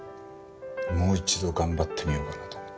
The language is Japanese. もう一度頑張ってみようかなと思って。